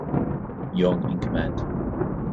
Young in command.